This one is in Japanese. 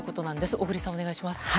小栗さん、お願いします。